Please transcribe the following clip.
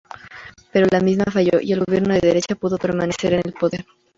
Pero la misma falló, y el gobierno de derecha pudo permanecer en el poder.